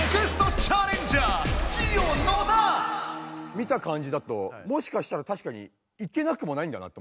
見たかんじだともしかしたらたしかにいけなくもないんだなと思った。